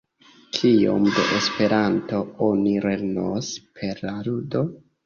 Kiom da Esperanto oni lernos per la ludo?